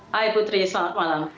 hai putri selamat malam